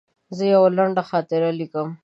زه یوه لنډه خاطره لیکم.